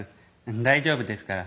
大丈夫ですから」。